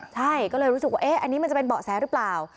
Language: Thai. ใช่ก็เลยรู้สึกว่าอันนี้มันจะเป็นเบาะแสหรือเปล่า